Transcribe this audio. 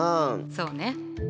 そうね。